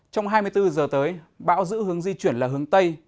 trong hai mươi bốn giờ tới bão giữ hướng di chuyển là hướng tây